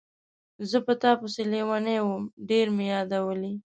زه په تا پسې لیونی وم، ډېر مې یادولې.